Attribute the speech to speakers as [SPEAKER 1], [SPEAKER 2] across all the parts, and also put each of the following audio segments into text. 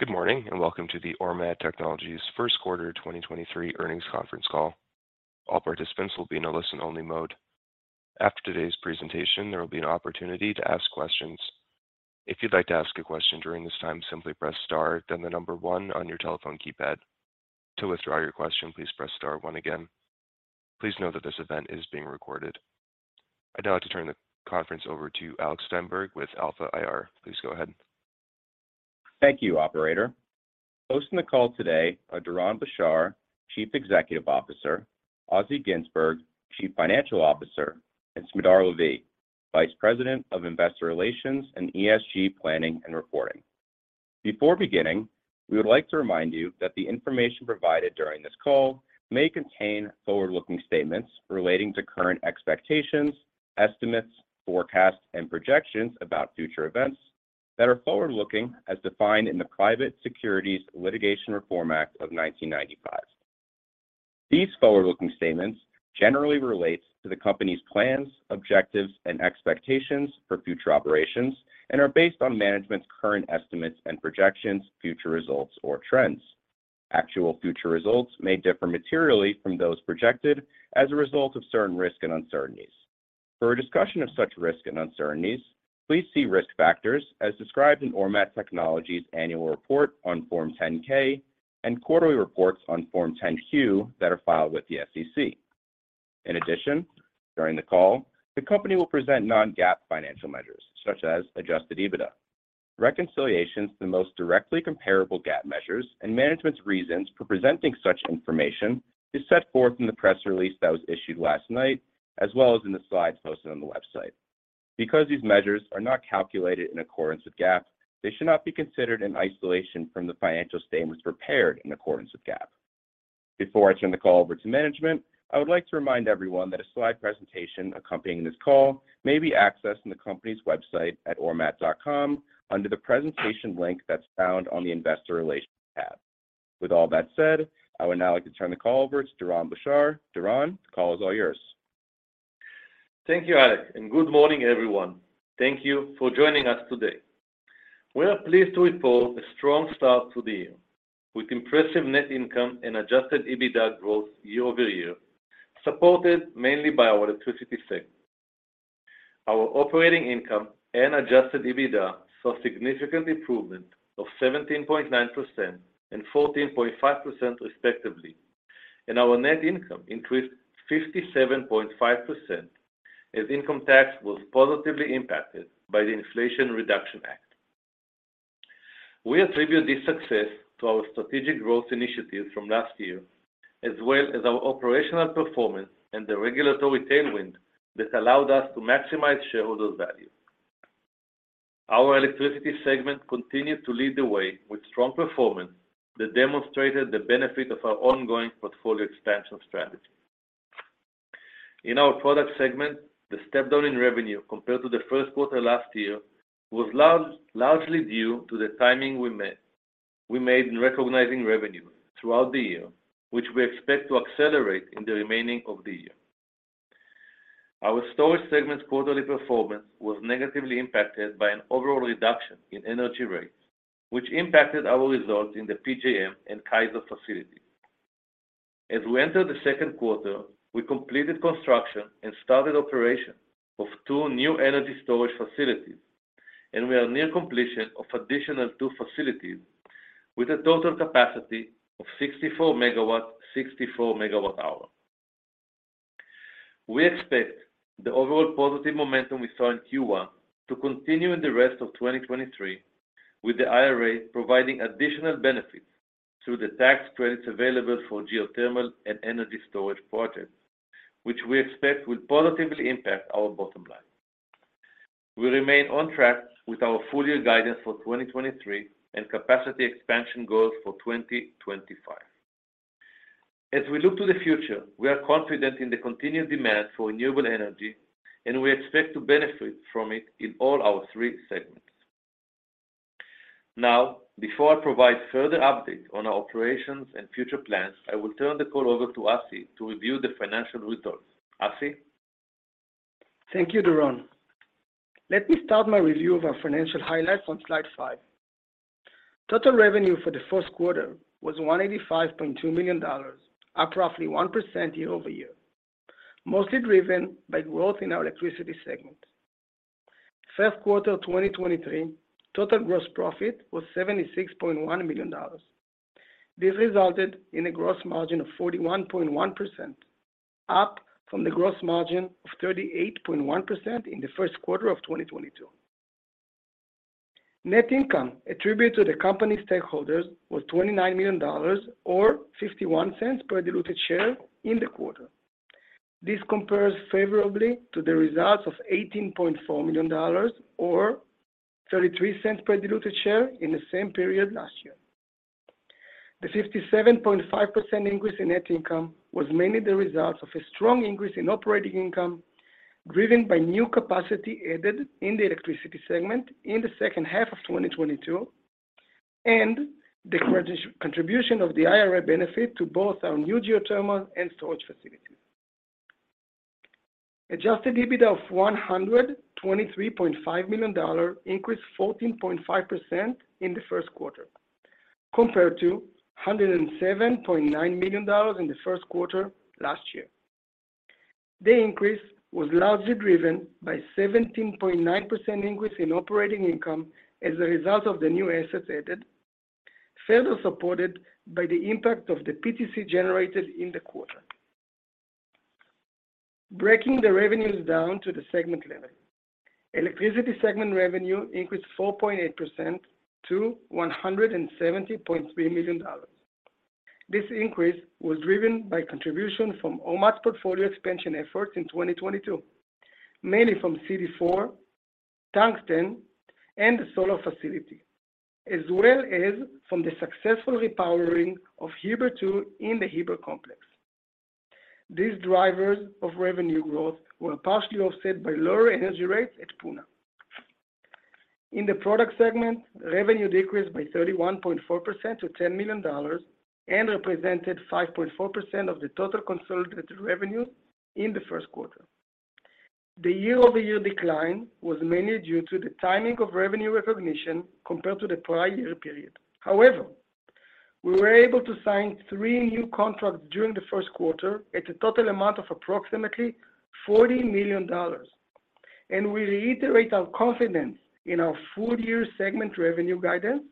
[SPEAKER 1] Good morning, welcome to the Ormat Technologies 1st quarter 2023 earnings conference call. All participants will be in a listen-only mode. After today's presentation, there will be an opportunity to ask questions. If you'd like to ask a question during this time, simply press star 1 on your telephone keypad. To withdraw your question, please press star 1 again. Please note that this event is being recorded. I'd now like to turn the conference over to Alec Steinberg with Alpha IR. Please go ahead.
[SPEAKER 2] Thank you, operator. Hosting the call today are Doron Blachar, Chief Executive Officer, Assi Ginzburg, Chief Financial Officer, and Smadar Lavi, Vice President of Investor Relations and ESG Planning and Reporting. Before beginning, we would like to remind you that the information provided during this call may contain forward-looking statements relating to current expectations, estimates, forecasts, and projections about future events that are forward-looking as defined in the Private Securities Litigation Reform Act of 1995. These forward-looking statements generally relates to the company's plans, objectives, and expectations for future operations, and are based on management's current estimates and projections, future results, or trends. Actual future results may differ materially from those projected as a result of certain risk and uncertainties. For a discussion of such risk and uncertainties, please see risk factors as described in Ormat Technologies annual report on Form 10-K and quarterly reports on Form 10-Q that are filed with the SEC. In addition, during the call, the company will present non-GAAP financial measures such as adjusted EBITDA. Reconciliations to the most directly comparable GAAP measures and management's reasons for presenting such information is set forth in the press release that was issued last night, as well as in the slides posted on the website. Because these measures are not calculated in accordance with GAAP, they should not be considered in isolation from the financial statements prepared in accordance with GAAP. Before I turn the call over to management, I would like to remind everyone that a slide presentation accompanying this call may be accessed in the company's website at ormat.com under the Presentation link that's found on the Investor Relations tab. With all that said, I would now like to turn the call over to Doron Blachar. Doron, the call is all yours.
[SPEAKER 3] Thank you, Alec, Good morning, everyone. Thank you for joining us today. We are pleased to report a strong start to the year, with impressive net income and adjusted EBITDA growth year-over-year, supported mainly by our electricity segment. Our operating income and adjusted EBITDA saw significant improvement of 17.9% and 14.5% respectively, and our net income increased 57.5% as income tax was positively impacted by the Inflation Reduction Act. We attribute this success to our strategic growth initiatives from last year, as well as our operational performance and the regulatory tailwind that allowed us to maximize shareholder value. Our electricity segment continued to lead the way with strong performance that demonstrated the benefit of our ongoing portfolio expansion strategy. In our product segment, the step down in revenue compared to the first quarter last year was largely due to the timing we made in recognizing revenue throughout the year, which we expect to accelerate in the remaining of the year. Our storage segment's quarterly performance was negatively impacted by an overall reduction in energy rates, which impacted our results in the PJM and CAISO facilities. As we enter the second quarter, we completed construction and started operation of two new energy storage facilities, and we are near completion of additional two facilities with a total capacity of 64 MW, 64 MWh. We expect the overall positive momentum we saw in Q1 to continue in the rest of 2023, with the IRA providing additional benefits through the tax credits available for geothermal and energy storage projects, which we expect will positively impact our bottom line. We remain on track with our full year guidance for 2023 and capacity expansion goals for 2025. As we look to the future, we are confident in the continued demand for renewable energy, and we expect to benefit from it in all our three segments. Now, before I provide further update on our operations and future plans, I will turn the call over to Assi to review the financial results. Assi.
[SPEAKER 4] Thank you, Doron. Let me start my review of our financial highlights on slide 5. Total revenue for the first quarter was $185.2 million, up roughly 1% year-over-year, mostly driven by growth in our electricity segment. First quarter 2023, total gross profit was $76.1 million. This resulted in a gross margin of 41.1%, up from the gross margin of 38.1% in the first quarter of 2022. Net income attributed to the company stakeholders was $29 million or $0.51 per diluted share in the quarter. This compares favorably to the results of $18.4 million or $0.33 per diluted share in the same period last year. The 57.5% increase in net income was mainly the result of a strong increase in operating income driven by new capacity added in the Electricity segment in the second half of 2022 and the contribution of the IRA benefit to both our new geothermal and storage facilities. adjusted EBITDA of $123.5 million increased 14.5% in the first quarter compared to $107.9 million in the first quarter last year. The increase was largely driven by 17.9% increase in operating income as a result of the new assets added, further supported by the impact of the PTC generated in the quarter. Breaking the revenues down to the segment level. Electricity segment revenue increased 4.8% to $170.3 million. This increase was driven by contribution from Ormat's portfolio expansion efforts in 2022, mainly from CD4, Tungsten, and the solar facility, as well as from the successful repowering of Heber 2 in the Heber Complex. These drivers of revenue growth were partially offset by lower energy rates at Puna. In the product segment, revenue decreased by 31.4% to $10 million and represented 5.4% of the total consolidated revenue in the first quarter. The year-over-year decline was mainly due to the timing of revenue recognition compared to the prior year period. However, we were able to sign three new contracts during the first quarter at a total amount of approximately $40 million, and we reiterate our confidence in our full year segment revenue guidance,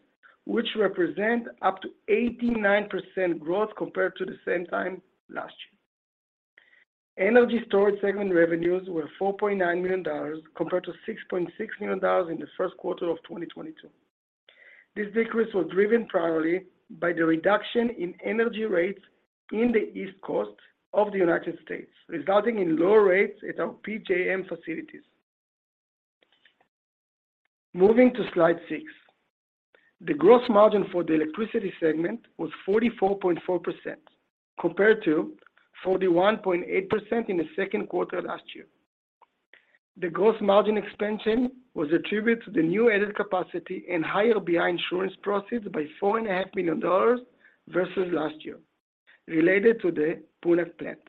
[SPEAKER 4] which represent up to 89% growth compared to the same time last year. Energy storage segment revenues were $4.9 million compared to $6.6 million in the first quarter of 2022. This decrease was driven primarily by the reduction in energy rates in the East Coast of the United States, resulting in lower rates at our PJM facilities. Moving to slide 6. The gross margin for the electricity segment was 44.4%, compared to 41.8% in the second quarter last year. The gross margin expansion was attributed to the new added capacity and higher BI insurance proceeds by four and a half million dollars versus last year, related to the Puna plant.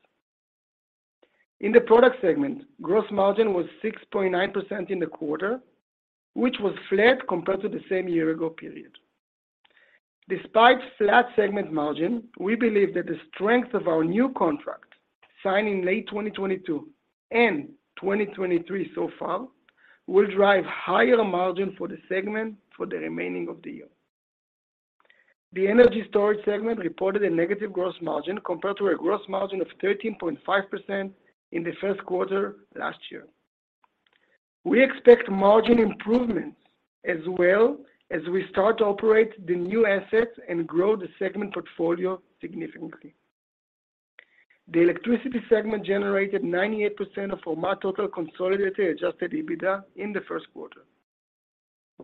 [SPEAKER 4] In the product segment, gross margin was 6.9% in the quarter, which was flat compared to the same year ago period. Despite flat segment margin, we believe that the strength of our new contract signed in late 2022 and 2023 so far will drive higher margin for the segment for the remaining of the year. The energy storage segment reported a negative gross margin compared to a gross margin of 13.5% in the first quarter last year. We expect margin improvements as well as we start to operate the new assets and grow the segment portfolio significantly. The electricity segment generated 98% of our total consolidated adjusted EBITDA in the first quarter.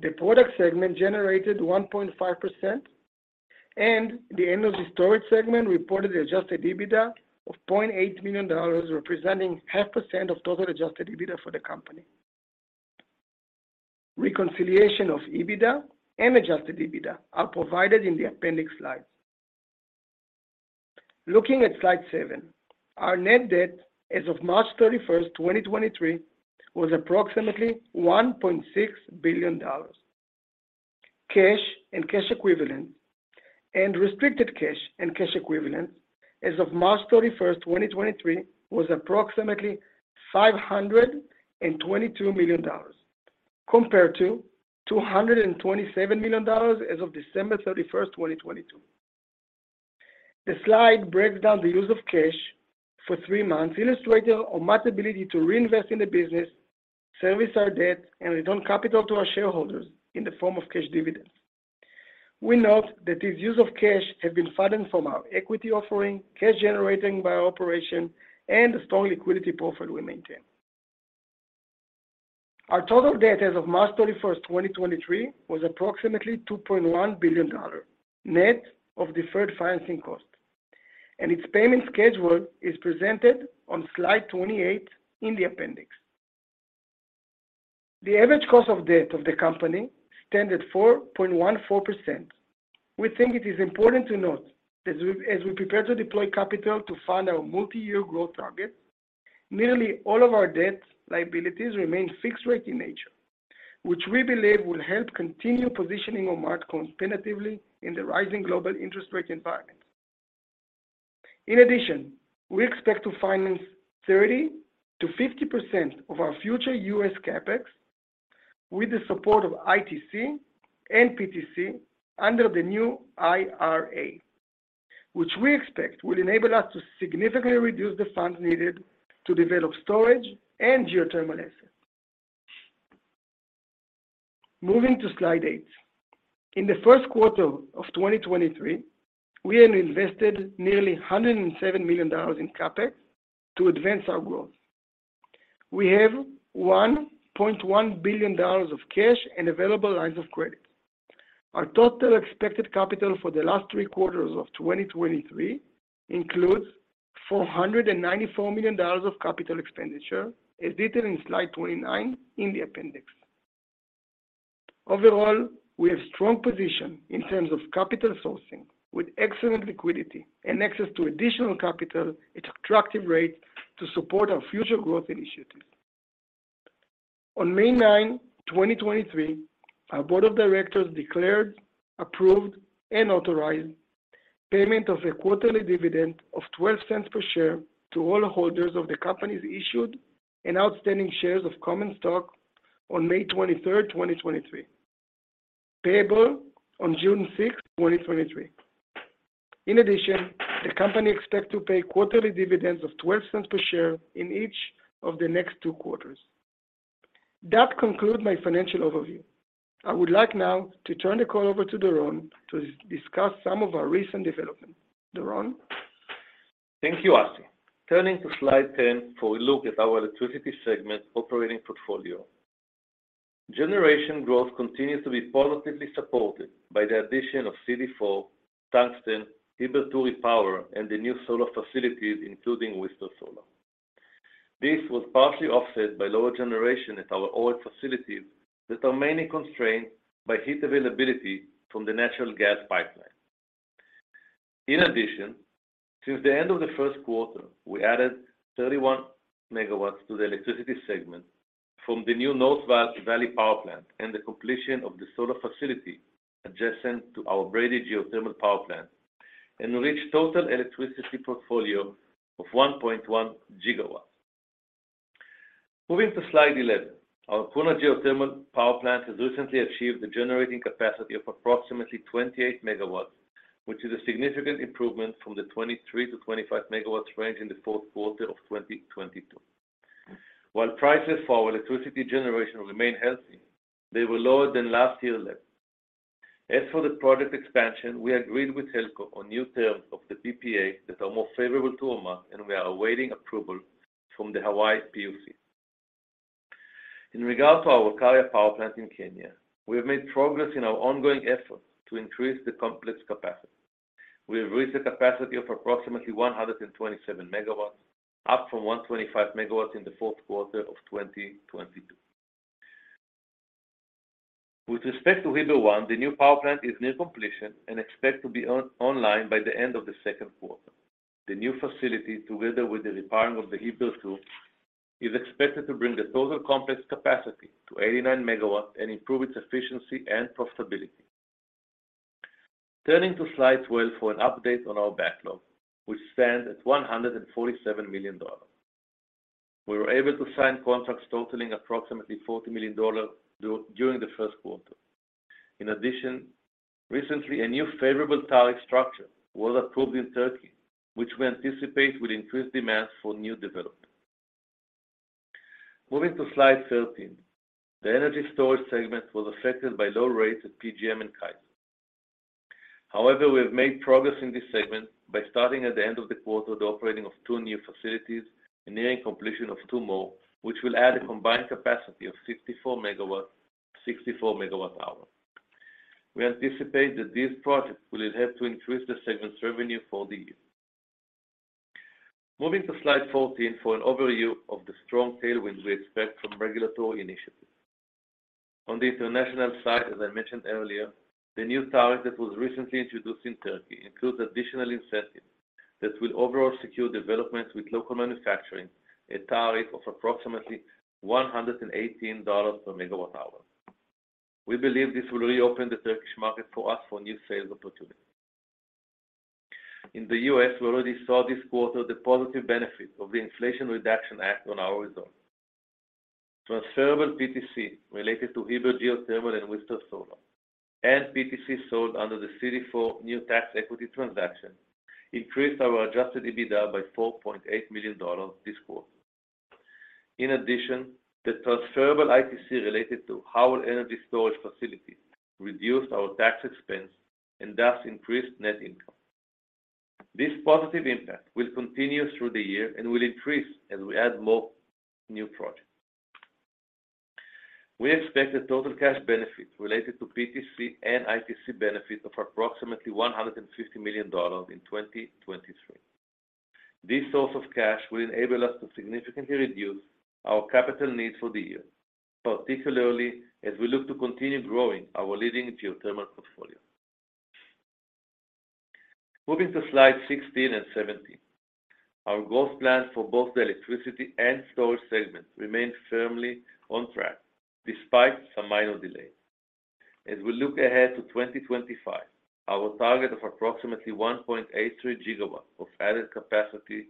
[SPEAKER 4] The product segment generated 1.5%, and the energy storage segment reported adjusted EBITDA of $0.8 million, representing 0.5% of total adjusted EBITDA for the company. Reconciliation of EBITDA and adjusted EBITDA are provided in the appendix slides. Looking at slide 7, our net debt as of March 31st, 2023, was approximately $1.6 billion. Cash and cash equivalent and restricted cash and cash equivalent as of March 31st, 2023, was approximately $522 million compared to $227 million as of December 31st, 2022. The slide breaks down the use of cash for three months, illustrating Ormat's ability to reinvest in the business, service our debt, and return capital to our shareholders in the form of cash dividends. We note that this use of cash has been funded from our equity offering, cash generating by operation, and a strong liquidity profile we maintain. Our total debt as of March 31st, 2023, was approximately $2.1 billion, net of deferred financing cost, and its payment schedule is presented on slide 28 in the appendix. The average cost of debt of the company stand at 4.14%. We think it is important to note as we prepare to deploy capital to fund our multi-year growth target, nearly all of our debt liabilities remain fixed rate in nature, which we believe will help continue positioning Ormat competitively in the rising global interest rate environment. We expect to finance 30%-50% of our future U.S. CapEx with the support of ITC and PTC under the new IRA, which we expect will enable us to significantly reduce the funds needed to develop storage and geothermal assets. Moving to slide 8. In the first quarter of 2023, we invested nearly $107 million in CapEx to advance our growth. We have $1.1 billion of cash and available lines of credit. Our total expected capital for the last three quarters of 2023 includes $494 million of capital expenditure, as detailed in slide 29 in the appendix. We have strong position in terms of capital sourcing with excellent liquidity and access to additional capital at attractive rates to support our future growth initiatives. On May 9, 2023, our board of directors declared, approved, and authorized payment of a quarterly dividend of $0.12 per share to all holders of the company's issued and outstanding shares of common stock on May 23, 2023, payable on June 6, 2023. The company expects to pay quarterly dividends of $0.12 per share in each of the next two quarters. That conclude my financial overview. I would like now to turn the call over to Doron to discuss some of our recent development. Doron.
[SPEAKER 3] Thank you, Assi. Turning to slide 10 for a look at our electricity segment operating portfolio. Generation growth continues to be positively supported by the addition of CD4, Tungsten, Heber II Power, and the new solar facilities, including Whistler Solar. This was partially offset by lower generation at our old facilities that are mainly constrained by heat availability from the natural gas pipeline. In addition, since the end of the first quarter, we added 31 megawatts to the electricity segment from the new North Valley Power Plant and the completion of the solar facility adjacent to our Brady Geothermal Power Plant and reached total electricity portfolio of 1.1 gigawatts. Moving to slide 11. Our Puna Geothermal Power Plant has recently achieved the generating capacity of approximately 28 megawatts, which is a significant improvement from the 23-25 megawatts range in the fourth quarter of 2022. While prices for our electricity generation remain healthy, they were lower than last year level. As for the project expansion, we agreed with HELCO on new terms of the PPA that are more favorable to Ormat, and we are awaiting approval from the Hawaii PUC. In regards to our Olkaria Power Plant in Kenya, we have made progress in our ongoing efforts to increase the complex capacity. We have reached a capacity of approximately 127 megawatts, up from 125 megawatts in the fourth quarter of 2022. With respect to Heber One, the new power plant is near completion and expect to be online by the end of the second quarter. The new facility, together with the repowering of the Heber Two, is expected to bring the total complex capacity to 89 megawatts and improve its efficiency and profitability. Turning to slide 12 for an update on our backlog, which stands at $147 million. We were able to sign contracts totaling approximately $40 million during the first quarter. In addition, recently, a new favorable tariff structure was approved in Turkey, which we anticipate will increase demand for new development. Moving to slide 13. The energy storage segment was affected by low rates at PJM and CAISO. However, we have made progress in this segment by starting at the end of the quarter the operating of two new facilities and nearing completion of two more, which will add a combined capacity of 64 MW, 64 MWh. We anticipate that this project will help to increase the segment's revenue for the year. Moving to slide 14 for an overview of the strong tailwind we expect from regulatory initiatives. On the international side, as I mentioned earlier, the new tariff that was recently introduced in Turkey includes additional incentives that will overall secure developments with local manufacturing, a tariff of approximately $118 per MWh. We believe this will reopen the Turkish market for us for new sales opportunities. In the U.S., we already saw this quarter the positive benefit of the Inflation Reduction Act on our results. Transferable PTC related to Heber Geothermal and Whistler Solar and PTC sold under the CD4 new tax equity transaction increased our adjusted EBITDA by $4.8 million this quarter. In addition, the transferable ITC related to Howell Energy Storage Facility reduced our tax expense and thus increased net income. This positive impact will continue through the year and will increase as we add more new projects. We expect a total cash benefit related to PTC and ITC benefit of approximately $150 million in 2023. This source of cash will enable us to significantly reduce our capital needs for the year, particularly as we look to continue growing our leading geothermal portfolio. Moving to slide 16 and 17. Our growth plans for both the electricity and storage segments remain firmly on track despite some minor delays. As we look ahead to 2025, our target of approximately 1.83 gigawatts of added capacity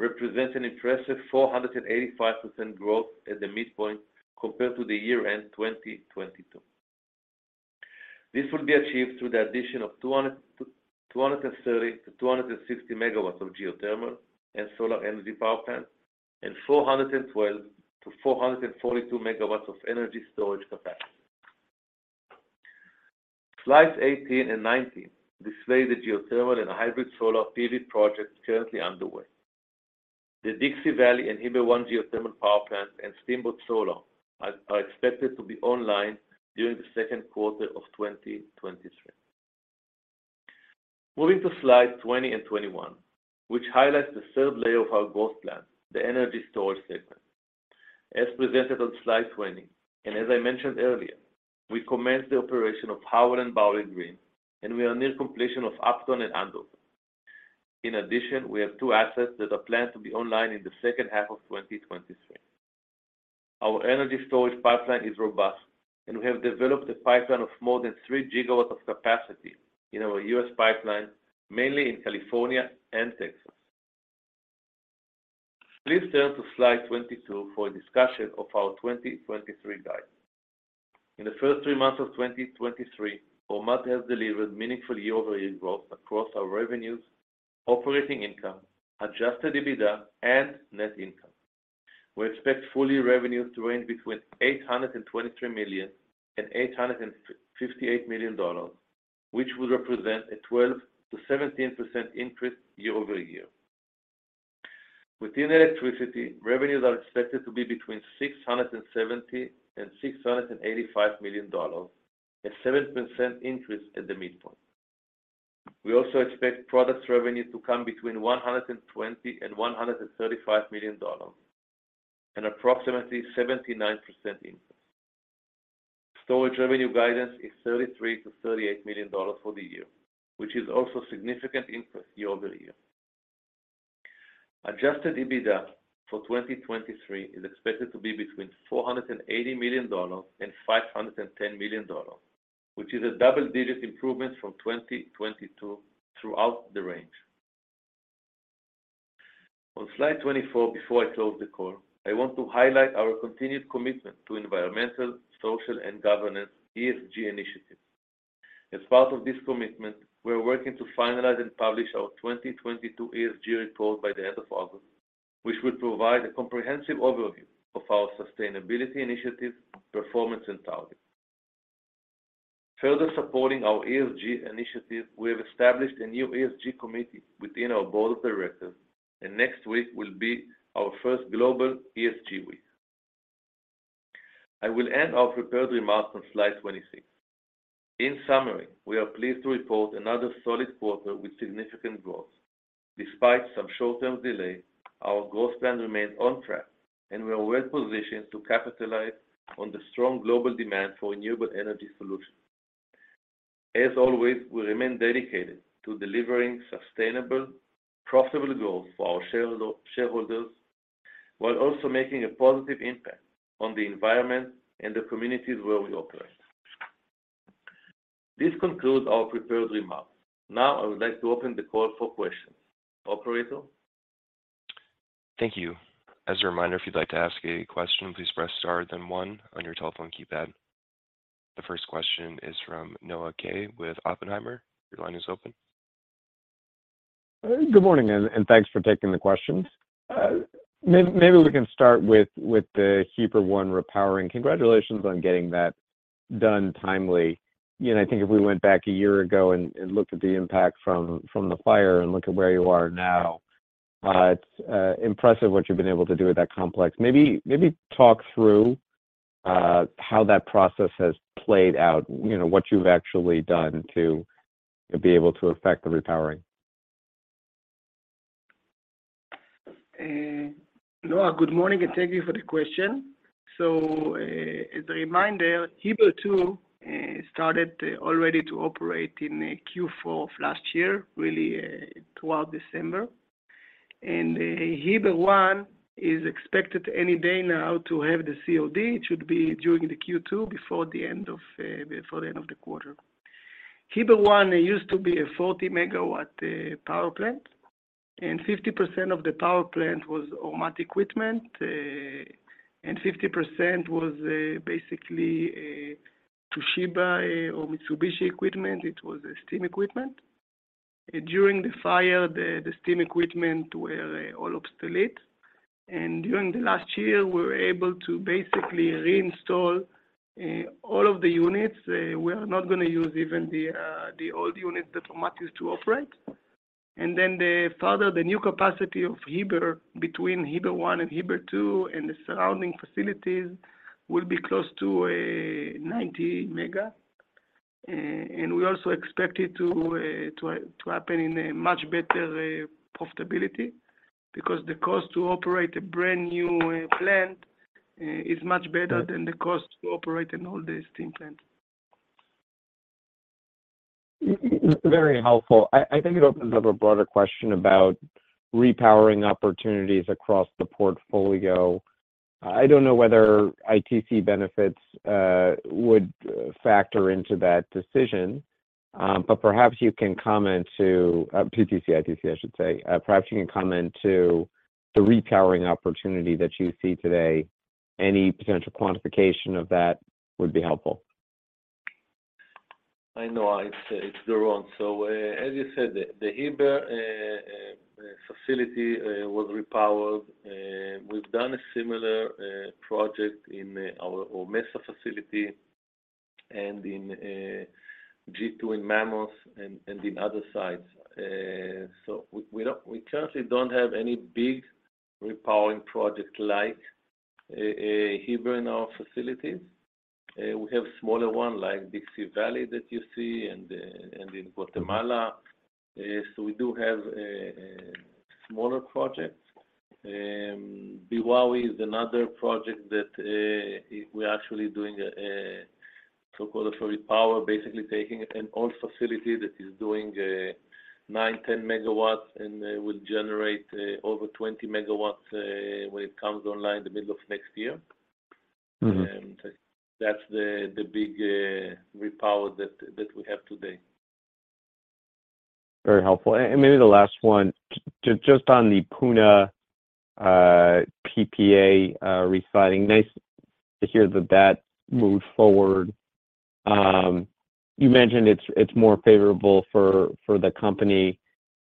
[SPEAKER 3] represents an impressive 485% growth at the midpoint compared to the year-end 2022. This will be achieved through the addition of 230 to 260 megawatts of geothermal and solar energy power plant and 412-442 megawatts of energy storage capacity. Slides 18 and 19 display the geothermal and hybrid solar PV project currently underway. The Dixie Valley and Heber One geothermal power plants and Steamboat Solar are expected to be online during the second quarter of 2023. Moving to slide 20 and 21, which highlights the third layer of our growth plan, the energy storage segment. As presented on slide 20, and as I mentioned earlier, we commenced the operation of Howell and Bowling Green, and we are near completion of Upton and Andover. In addition, we have two assets that are planned to be online in the second half of 2023. Our energy storage pipeline is robust. We have developed a pipeline of more than 3 GW of capacity in our U.S. pipeline, mainly in California and Texas. Please turn to slide 22 for a discussion of our 2023 guidance. In the first three months of 2023, Ormat has delivered meaningful year-over-year growth across our revenues, operating income, adjusted EBITDA, and net income. We expect full-year revenues to range between $823 million and $858 million, which will represent a 12%-17% increase year-over-year. Within electricity, revenues are expected to be between $670 million and $685 million, a 7% increase at the midpoint. We also expect product revenue to come between $120 million and $135 million, an approximately 79% increase. Storage revenue guidance is $33 million-$38 million for the year, which is also significant increase year-over-year. Adjusted EBITDA for 2023 is expected to be between $480 million and $510 million, which is a double-digit improvement from 2022 throughout the range. On slide 24, before I close the call, I want to highlight our continued commitment to environmental, social, and governance ESG initiatives. As part of this commitment, we are working to finalize and publish our 2022 ESG report by the end of August, which will provide a comprehensive overview of our sustainability initiative, performance, and targets. Further supporting our ESG initiative, we have established a new ESG committee within our board of directors, and next week will be our first global ESG week. I will end our prepared remarks on slide 26. In summary, we are pleased to report another solid quarter with significant growth. Despite some short-term delay, our growth plan remains on track, and we are well-positioned to capitalize on the strong global demand for renewable energy solutions. As always, we remain dedicated to delivering sustainable, profitable growth for our shareholders, while also making a positive impact on the environment and the communities where we operate. This concludes our prepared remarks. Now, I would like to open the call for questions. Operator?
[SPEAKER 1] Thank you. As a reminder, if you'd like to ask a question, please press star then one on your telephone keypad. The first question is from Noah Kaye with Oppenheimer. Your line is open.
[SPEAKER 5] Good morning, and thanks for taking the questions. Maybe we can start with the Heber One repowering. Congratulations on getting that done timely. You know, I think if we went back a year ago and looked at the impact from the fire and look at where you are now, it's impressive what you've been able to do with that complex. Maybe talk through how that process has played out, you know, what you've actually done to be able to effect the repowering?
[SPEAKER 4] Noah, good morning, thank you for the question. As a reminder, Heber Two started already to operate in Q4 of last year, really throughout December. Heber One is expected any day now to have the COD. It should be during the Q2, before the end of the quarter. Heber One used to be a 40-megawatt power plant, 50% of the power plant was Ormat equipment, and 50% was basically Toshiba or Mitsubishi equipment. It was steam equipment. During the fire, the steam equipment were all obsolete. During the last year, we were able to basically reinstall all of the units. We are not gonna use even the old units that Ormat used to operate. The further the new capacity of Heber between Heber One and Heber Two and the surrounding facilities will be close to a 90 mega. We also expect it to happen in a much better profitability because the cost to operate a brand-new plant is much better than the cost to operate an older steam plant.
[SPEAKER 5] Very helpful. I think it opens up a broader question about repowering opportunities across the portfolio. I don't know whether ITC benefits would factor into that decision, but perhaps you can comment to the repowering opportunity that you see today. Any potential quantification of that would be helpful.
[SPEAKER 3] I know it's Doron. As you said, the Heber facility was repowered. We've done a similar project in our Ormesa facility and in G2 in Mammoth and in other sites. We currently don't have any big repowering project like Heber in our facilities. We have smaller one like Dixie Valley that you see and in Guatemala. We do have a smaller project. Beowawe is another project that we're actually doing a so-called auxiliary power, basically taking an old facility that is doing 9, 10 megawatts, and will generate over 20 megawatts when it comes online the middle of next year.
[SPEAKER 5] Mm-hmm.
[SPEAKER 3] That's the big repower that we have today.
[SPEAKER 5] Very helpful. Maybe the last one. Just on the Puna PPA re-signing. Nice to hear that that moved forward. You mentioned it's more favorable for the company.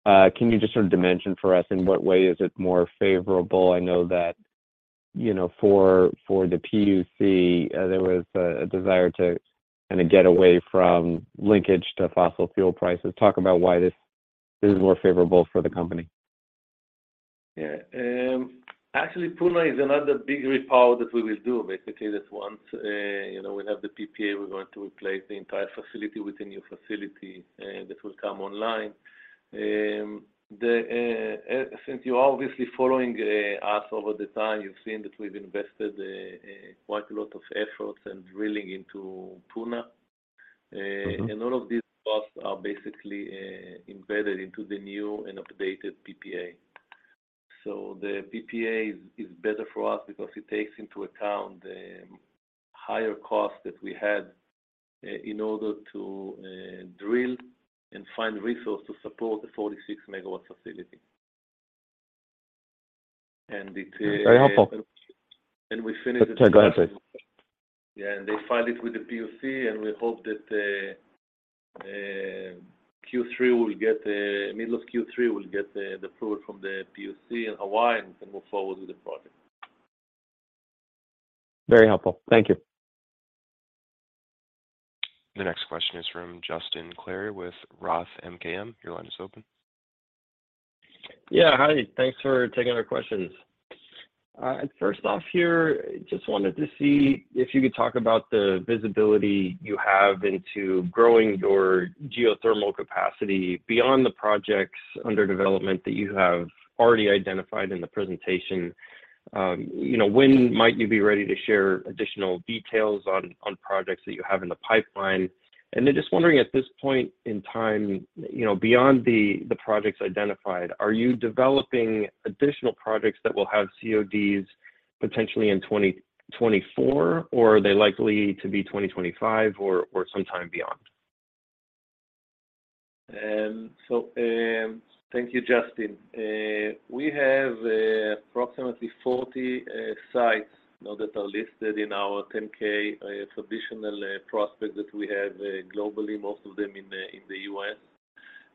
[SPEAKER 5] Can you just sort of dimension for us in what way is it more favorable? I know that, you know, for the PUC, there was a desire to kinda get away from linkage to fossil fuel prices. Talk about why this is more favorable for the company.
[SPEAKER 3] Yeah. Actually Puna is another big repower that we will do. Basically, that once, you know, we have the PPA, we're going to replace the entire facility with a new facility that will come online. Since you're obviously following us over the time, you've seen that we've invested quite a lot of efforts in drilling into Puna.
[SPEAKER 5] Mm-hmm.
[SPEAKER 3] All of these costs are basically embedded into the new and updated PPA. The PPA is better for us because it takes into account the higher cost that we had in order to drill and find resource to support the 46 megawatt facility.
[SPEAKER 5] Very helpful.
[SPEAKER 3] we finished-
[SPEAKER 5] Go ahead, please.
[SPEAKER 3] Yeah. They filed it with the PUC, and we hope that Middle of Q3 will get the approval from the PUC in Hawaii, and we can move forward with the project.
[SPEAKER 5] Very helpful. Thank you.
[SPEAKER 1] The next question is from Justin Clare with Roth MKM. Your line is open.
[SPEAKER 6] Yeah, hi. Thanks for taking our questions. First off here, just wanted to see if you could talk about the visibility you have into growing your geothermal capacity beyond the projects under development that you have already identified in the presentation. You know, when might you be ready to share additional details on projects that you have in the pipeline? Just wondering at this point in time, you know, beyond the projects identified, are you developing additional projects that will have CODs potentially in 2024, or are they likely to be 2025 or sometime beyond?
[SPEAKER 3] Thank you, Justin Clare. We have approximately 40 sites now that are listed in our 10-K, traditional prospects that we have globally, most of them in the U.S.,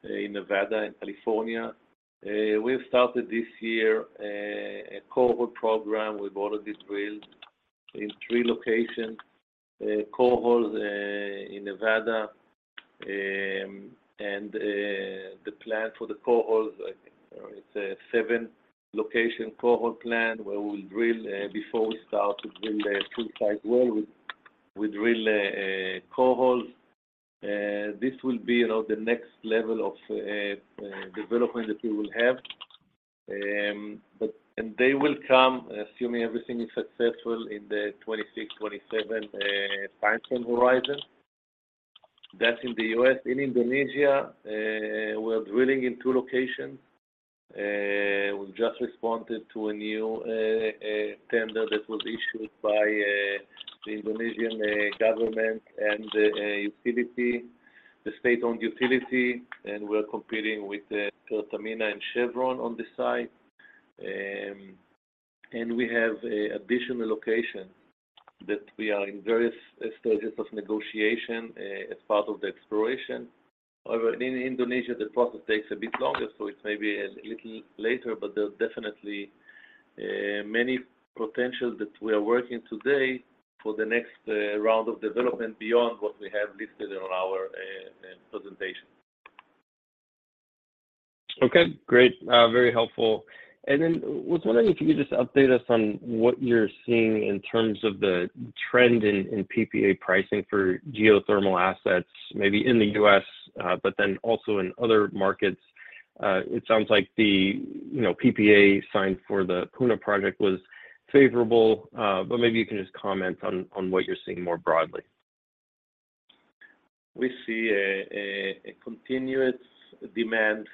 [SPEAKER 3] in Nevada and California. We've started this year a cohort program. We've already drilled in three locations, cohort in Nevada. The plan for the cohort, I think it's a seven location cohort plan where we'll drill before we start to drill the full site well, we'll drill cohort. This will be, you know, the next level of development that we will have. They will come, assuming everything is successful, in the 2026, 2027 timeframe horizon. That's in the U.S. In Indonesia, we're drilling in two locations. We've just responded to a new tender that was issued by the Indonesian government and utility, the state-owned utility, and we're competing with Pertamina and Chevron on this side. We have a additional location that we are in various stages of negotiation as part of the exploration. However, in Indonesia, the process takes a bit longer, so it may be a little later, but there's definitely many potentials that we are working today for the next round of development beyond what we have listed on our presentation.
[SPEAKER 6] Okay. Great. Very helpful. Then was wondering if you could just update us on what you're seeing in terms of the trend in PPA pricing for geothermal assets, maybe in the U.S., then also in other markets. It sounds like the, you know, PPA signed for the Puna project was favorable, but maybe you can just comment on what you're seeing more broadly.
[SPEAKER 3] We see a continuous demand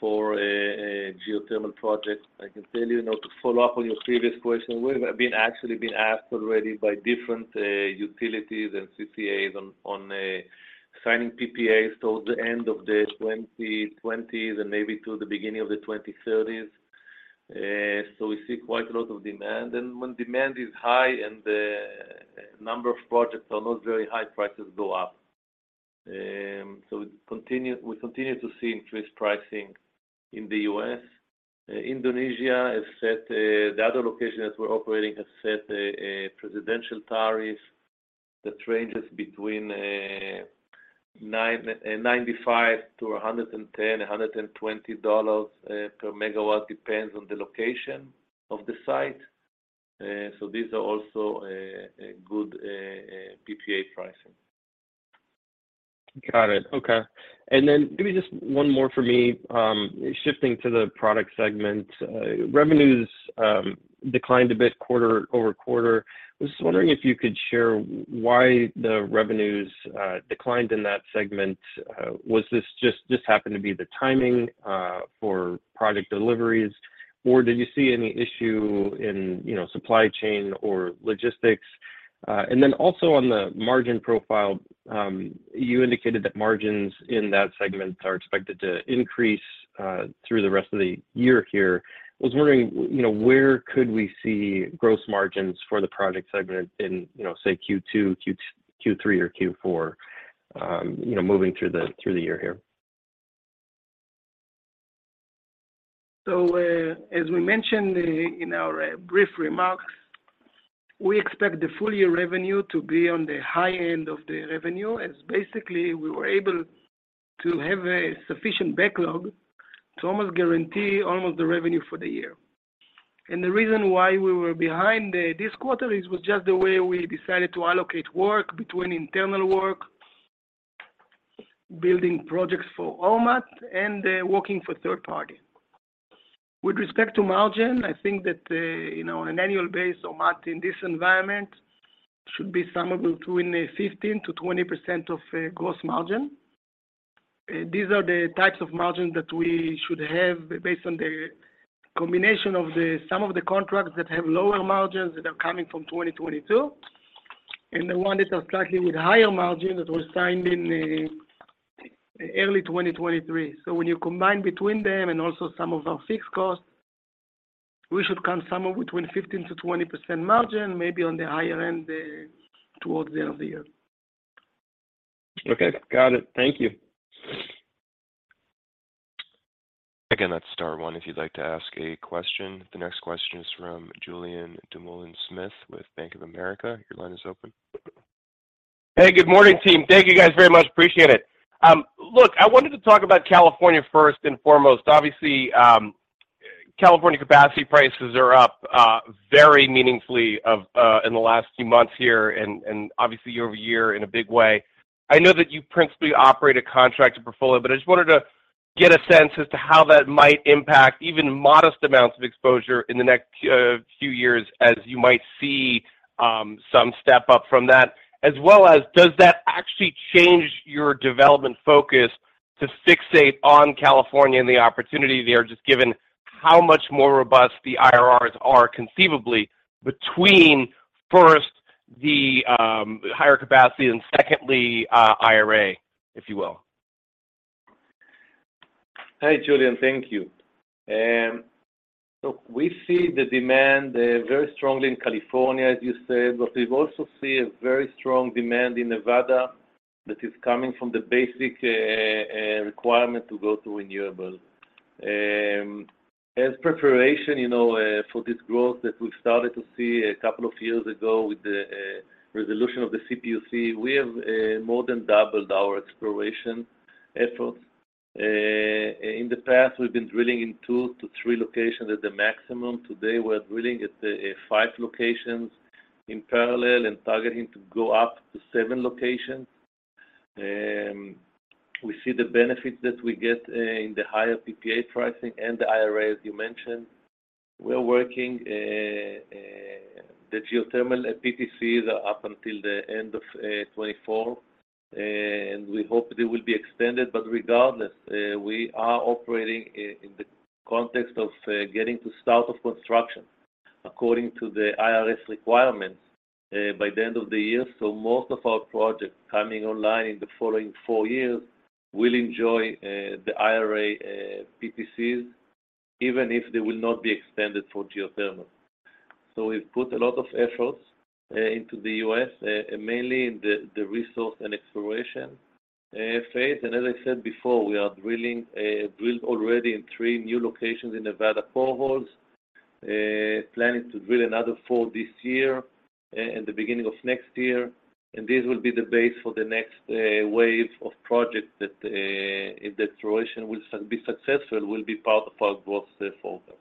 [SPEAKER 3] for a geothermal project. I can tell you know, to follow up on your previous question, we've actually been asked already by different utilities and CCAs on signing PPAs toward the end of the 2020s and maybe to the beginning of the 2030s. We see quite a lot of demand. When demand is high and the number of projects are not very high, prices go up. We continue to see increased pricing in the U.S. Indonesia has set the other location that we're operating has set a presidential tariffs that ranges between $95 to $110, $120 per MW, depends on the location of the site. These are also a good PPA pricing.
[SPEAKER 6] Got it. Okay. Maybe just one more for me. Shifting to the product segment. Revenues declined a bit quarter-over-quarter. I was just wondering if you could share why the revenues declined in that segment. Was this happened to be the timing for product deliveries, or did you see any issue in, you know, supply chain or logistics? Also on the margin profile, you indicated that margins in that segment are expected to increase through the rest of the year here. I was wondering, you know, where could we see gross margins for the project segment in, you know, say, Q2, Q3 or Q4, moving through the, through the year here?
[SPEAKER 4] As we mentioned in our brief remarks, we expect the full year revenue to be on the high end of the revenue, as basically we were able to have a sufficient backlog to almost guarantee almost the revenue for the year. The reason why we were behind this quarter was just the way we decided to allocate work between internal work, building projects for Ormat, and working for third party. With respect to margin, I think that, you know, on an annual basis, Ormat in this environment should be somewhere between 15%-20% of gross margin. These are the types of margins that we should have based on the combination of the sum of the contracts that have lower margins that are coming from 2022, and the ones that are starting with higher margin that were signed in early 2023. When you combine between them and also some of our fixed costs, we should come somewhere between 15%-20% margin, maybe on the higher end towards the end of the year.
[SPEAKER 6] Okay. Got it. Thank you.
[SPEAKER 1] That's star one if you'd like to ask a question. The next question is from Julien Dumoulin-Smith with Bank of America. Your line is open.
[SPEAKER 7] Hey, good morning, team. Thank you guys very much. Appreciate it. Look, I wanted to talk about California first and foremost. Obviously, California capacity prices are up very meaningfully in the last few months here and obviously year-over-year in a big way. I know that you principally operate a contracted portfolio, but I just wanted to get a sense as to how that might impact even modest amounts of exposure in the next few years as you might see some step up from that. Does that actually change your development focus to fixate on California and the opportunity there, just given how much more robust the IRRs are conceivably between, first, the higher capacity and secondly, IRA, if you will?
[SPEAKER 3] Hey, Julien. Thank you. We see the demand very strongly in California, as you said, but we've also see a very strong demand in Nevada that is coming from the basic requirement to go to renewable. As preparation, you know, for this growth that we've started to see a couple of years ago with the resolution of the CPUC, we have more than doubled our exploration efforts. In the past, we've been drilling in two to three locations at the maximum. Today, we're drilling at five locations in parallel and targeting to go up to seven locations. We see the benefits that we get in the higher PPA pricing and the IRA, as you mentioned. We're working the geothermal PTCs up until the end of 2024, and we hope they will be extended. Regardless, we are operating in the context of getting to start of construction according to the IRS requirement by the end of the year. Most of our projects coming online in the following 4 years will enjoy the IRA PTCs, even if they will not be extended for geothermal. We've put a lot of efforts into the U.S., mainly in the resource and exploration phase. As I said before, we drilled already in three new locations in Nevada core holes, planning to drill another 4 this year and the beginning of next year. This will be the base for the next wave of projects that if the exploration will be successful, will be part of our growth focus.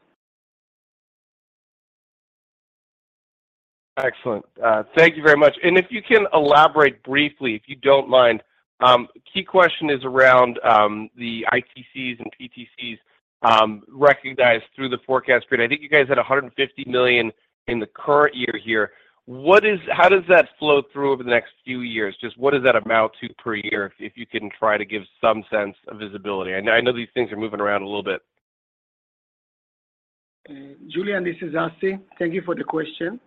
[SPEAKER 7] Excellent. Thank you very much. If you can elaborate briefly, if you don't mind. Key question is around the ITCs and PTCs recognized through the forecast period. I think you guys had $150 million in the current year here. How does that flow through over the next few years? Just what does that amount to per year, if you can try to give some sense of visibility? I know these things are moving around a little bit.
[SPEAKER 4] Julien, this is Assi. Thank you for the question.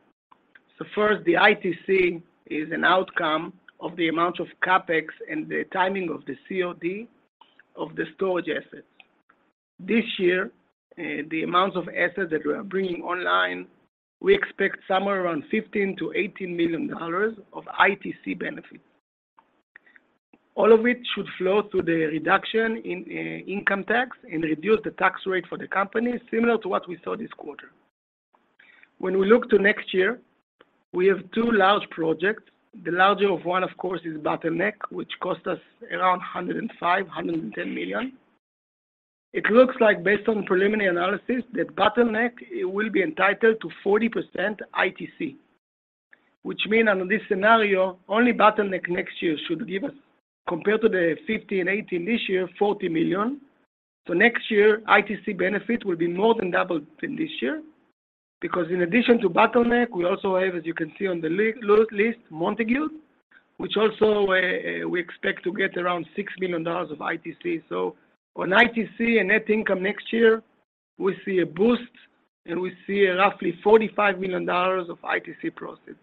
[SPEAKER 4] First, the ITC is an outcome of the amount of CapEx and the timing of the COD of the storage assets. This year, the amount of assets that we are bringing online, we expect somewhere around $15 million-$18 million of ITC benefits, all of which should flow through the reduction in income tax and reduce the tax rate for the company, similar to what we saw this quarter. When we look to next year, we have two large projects. The larger of one, of course, is Bottleneck, which cost us around $105 million-$110 million. It looks like based on preliminary analysis that Bottleneck, it will be entitled to 40% ITC, which mean under this scenario, only Bottleneck next year should give us, compared to the $50 million and $80 million in this year, $40 million. Next year, ITC benefit will be more than doubled than this year. In addition to Bottleneck, we also have, as you can see on the list, Montague, which also we expect to get around $6 million of ITC. On ITC and net income next year, we see a boost, and we see roughly $45 million of ITC proceeds.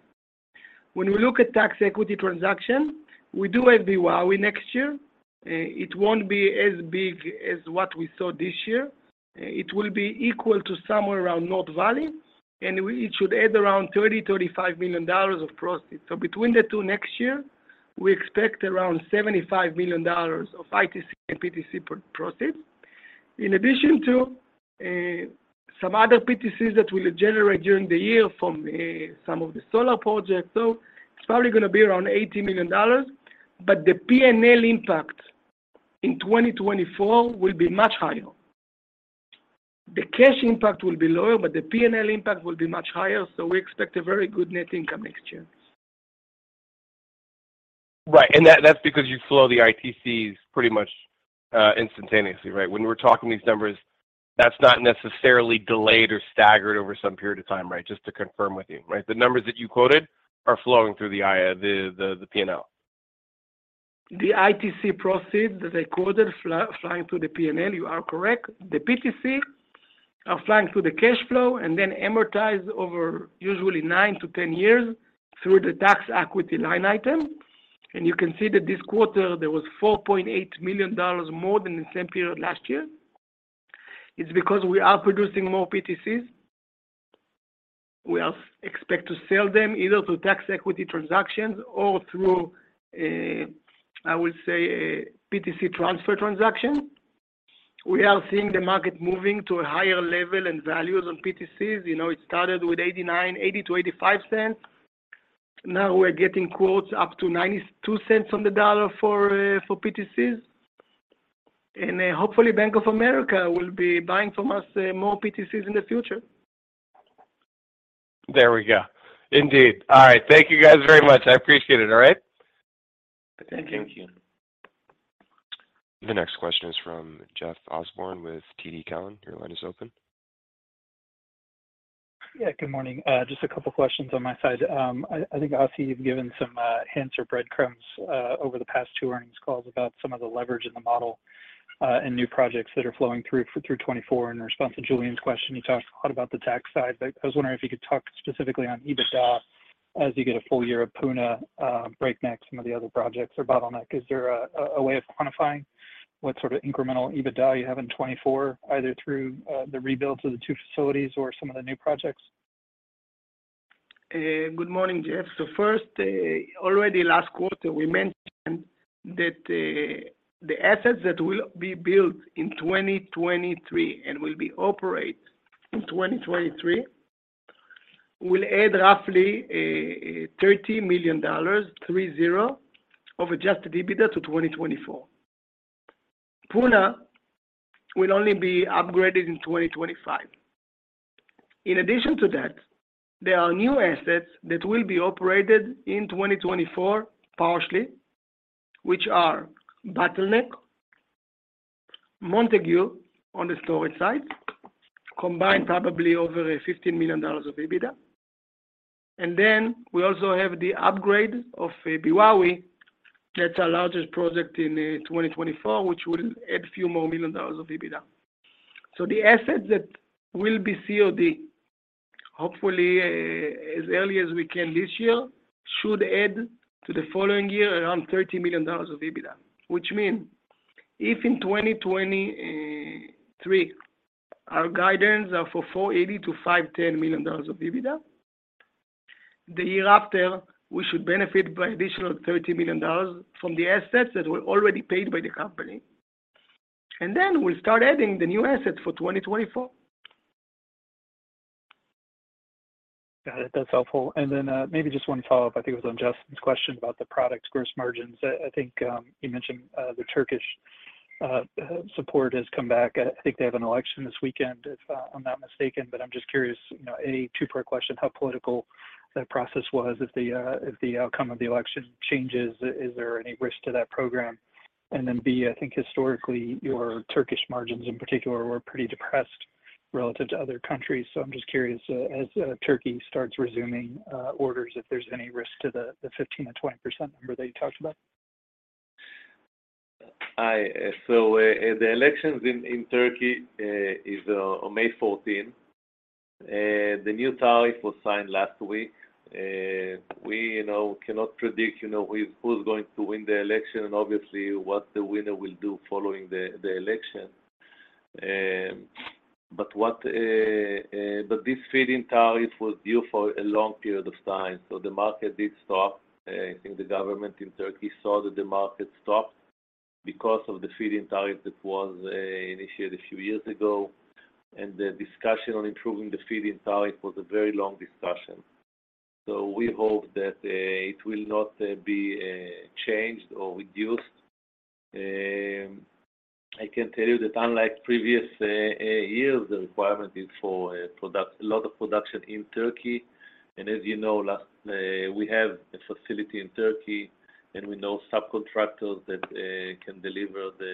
[SPEAKER 4] When we look at tax equity transaction, we do have Beowawe next year. It won't be as big as what we saw this year. It will be equal to somewhere around North Valley Power Plant, and it should add around $35 million of proceeds. Between the two next year, we expect around $75 million of ITC and PTC proceeds. In addition to some other PTCs that will generate during the year from some of the solar projects. It's probably gonna be around $80 million. The P&L impact in 2024 will be much higher. The cash impact will be lower, but the P&L impact will be much higher, so we expect a very good net income next year.
[SPEAKER 7] Right. And that's because you flow the ITCs pretty much instantaneously, right? When we're talking these numbers, that's not necessarily delayed or staggered over some period of time, right? Just to confirm with you, right? The numbers that you quoted are flowing through the IRA, the P&L.
[SPEAKER 4] The ITC proceeds that I quoted flowing through the P&L, you are correct. The PTC are flowing through the cash flow and then amortized over usually 9-10 years through the tax equity line item. You can see that this quarter, there was $4.8 million more than the same period last year. It's because we are producing more PTCs. We expect to sell them either through tax equity transactions or through, I would say a PTC transfer transaction. We are seeing the market moving to a higher level and values on PTCs. You know, it started with $0.89, $0.80-$0.85. Now we're getting quotes up to $0.92 on the dollar for PTCs. Hopefully Bank of America will be buying from us more PTCs in the future.
[SPEAKER 7] There we go. Indeed. All right. Thank you guys very much. I appreciate it, all right?
[SPEAKER 4] Thank you.
[SPEAKER 8] Thank you.
[SPEAKER 1] The next question is from Jeff Osborne with TD Cowen. Your line is open.
[SPEAKER 8] Good morning. Just a couple questions on my side. I think, Assi, you've given some hints or breadcrumbs over the past two earnings calls about some of the leverage in the model and new projects that are flowing through 2024. In response to Julien's question, you talked a lot about the tax side. I was wondering if you could talk specifically on EBITDA as you get a full year of Puna, Bottleneck, some of the other projects. Is there a way of quantifying what sort of incremental EBITDA you have in 2024, either through the rebuilds of the two facilities or some of the new projects?
[SPEAKER 4] Good morning, Jeff. First, already last quarter, we mentioned that the assets that will be built in 2023 and will be operate in 2023 will add roughly $30 million of adjusted EBITDA to 2024. Puna will only be upgraded in 2025. In addition to that, there are new assets that will be operated in 2024 partially, which are Bottleneck, Montague on the storage side, combined probably over $15 million of EBITDA. Then we also have the upgrade of Beowawe. That's our largest project in 2024, which will add few more million dollars of EBITDA. The assets that will be COD, hopefully, as early as we can this year, should add to the following year around $30 million of EBITDA. Which mean if in 2023, our guidance are for $480 million-$510 million of EBITDA, the year after, we should benefit by additional $30 million from the assets that were already paid by the company. Then we'll start adding the new assets for 2024.
[SPEAKER 8] Got it. That's helpful. Then, maybe just one follow-up. I think it was on Justin's question about the products gross margins. I think you mentioned the Turkish support has come back. I think they have an election this weekend, if I'm not mistaken. I'm just curious, you know, A, two-part question, how political that process was. If the outcome of the election changes, is there any risk to that program? Then B, I think historically, your Turkish margins in particular were pretty depressed relative to other countries. I'm just curious, as Turkey starts resuming orders, if there's any risk to the 15% and 20% number that you talked about.
[SPEAKER 4] The elections in Turkey is on May 14th. The new tariff was signed last week. We, you know, cannot predict, you know, who's going to win the election and obviously what the winner will do following the election. This feed-in tariff was due for a long period of time, so the market did stop. I think the government in Turkey saw that the market stopped.
[SPEAKER 3] Because of the feed-in tariff that was initiated a few years ago. The discussion on improving the feed-in tariff was a very long discussion. We hope that it will not be changed or reduced. I can tell you that unlike previous years, the requirement is for a lot of production in Turkey. As you know, we have a facility in Turkey, and we know subcontractors that can deliver the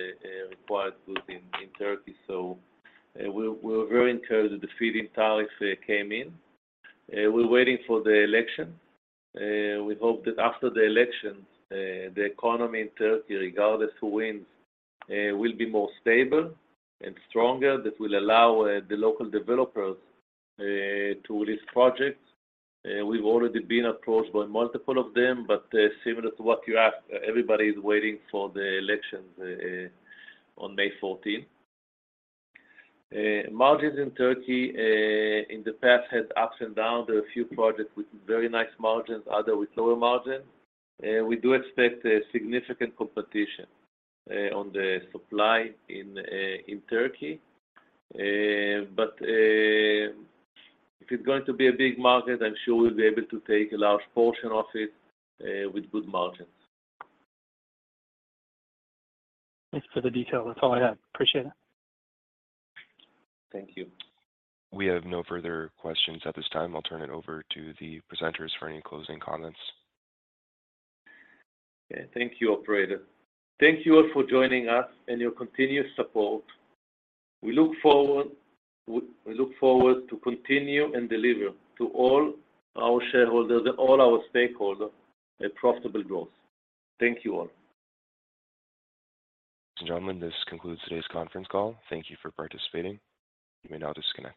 [SPEAKER 3] required goods in Turkey. We're very encouraged that the feed-in tariffs came in. We're waiting for the election. We hope that after the election, the economy in Turkey, regardless who wins, will be more stable and stronger. This will allow the local developers to release projects. We've already been approached by multiple of them, but similar to what you asked, everybody is waiting for the elections on May 14th. Margins in Turkey in the past, had ups and downs. There are a few projects with very nice margins, other with lower margin. We do expect a significant competition on the supply in Turkey. If it's going to be a big market, I'm sure we'll be able to take a large portion of it with good margins.
[SPEAKER 8] Thanks for the detail. That's all I have. Appreciate it.
[SPEAKER 3] Thank you.
[SPEAKER 1] We have no further questions at this time. I'll turn it over to the presenters for any closing comments.
[SPEAKER 3] Yeah. Thank you, operator. Thank you all for joining us and your continuous support. We look forward to continue and deliver to all our shareholders and all our stakeholders a profitable growth. Thank you all.
[SPEAKER 1] Ladies and gentlemen, this concludes today's conference call. Thank you for participating. You may now disconnect.